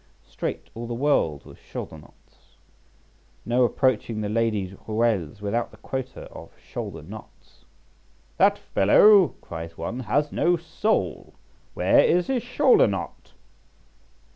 Straight all the world was shoulder knots; no approaching the ladies' ruelles without the quota of shoulder knots. "That fellow," cries one, "has no soul: where is his shoulder knot?"